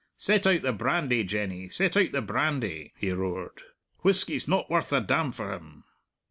Set out the brandy, Jenny, set out the brandy," he roared; "whisky's not worth a damn for him!